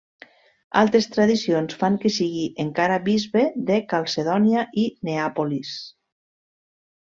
Altres tradicions fan que sigui encara bisbe de Calcedònia i Neàpolis.